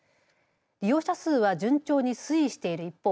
利用者数は順調に推移している一方